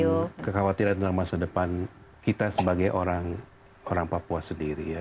dan kekhawatiran dalam masa depan kita sebagai orang papua sendiri ya